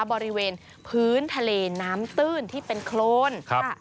บริเวณพื้นทะเลน้ำตื้นที่เป็นโครน